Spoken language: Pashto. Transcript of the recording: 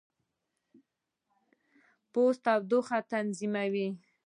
پوست تودوخه تنظیموي.